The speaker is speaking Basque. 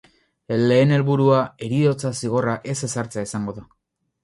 Lehen helburua, heriotza zigorra ez ezartzea izango da.